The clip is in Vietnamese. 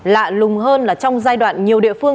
lạ lùng hơn là trong giai đoạn nhiều địa phương